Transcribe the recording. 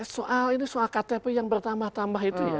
soal ini soal ktp yang bertambah tambah itu ya